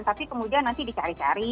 tapi kemudian nanti dicari cari